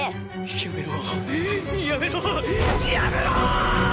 やめろやめろやめろ！